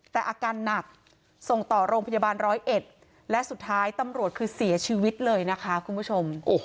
แต่อาการหนักส่งต่อโรงพยาบาลร้อยเอ็ดและสุดท้ายตำรวจคือเสียชีวิตเลยนะคะคุณผู้ชม